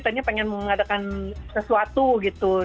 katanya pengen mengadakan sesuatu gitu